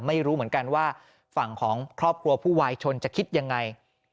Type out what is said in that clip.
ไม่รู้เหมือนกันว่าฝั่งของครอบครัวผู้วายชนจะคิดยังไง